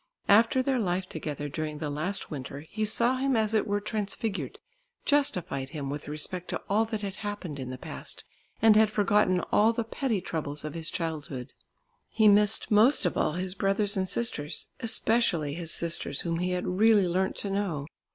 After their life together during the last winter, he saw him as it were transfigured, justified him with respect to all that had happened in the past, and had forgotten all the petty troubles of his childhood. He missed most of all his brothers and sisters, especially his sisters whom he had really learnt to know.